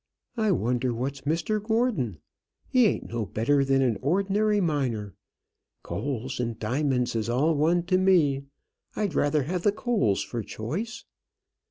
I wonder what's Mr Gordon! He ain't no better than an ordinary miner. Coals and diamonds is all one to me; I'd rather have the coals for choice."